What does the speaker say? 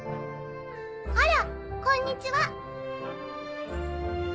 「あらこんにちは」。